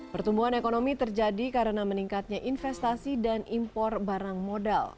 pertumbuhan ekonomi terjadi karena meningkatnya investasi dan impor barang modal